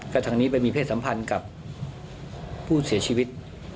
ทางนี้ไปมีเพศสัมพันธ์กับผู้เสียชีวิต